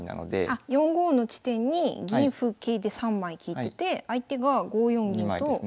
あっ４五の地点に銀歩桂で３枚利いてて相手が５四銀と４四歩の２枚。